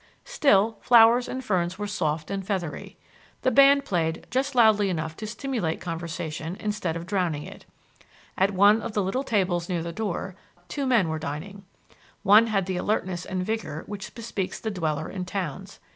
Still, flowers and ferns were soft and feathery. The band played just loudly enough to stimulate conversation instead of drowning it. At one of the little tables near the door two men were dining. One had the alertness and vigor which bespeaks the dweller in towns.